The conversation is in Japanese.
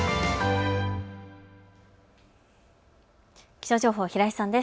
気象情報、平井さんです。